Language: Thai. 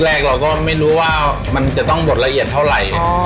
แรกเราก็ไม่รู้ว่ามันจะต้องหมดละเอียดเท่าไหร่